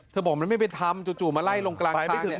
เธอบอกมันไม่เป็นธรรมจู่มาไล่ลงกลางทาง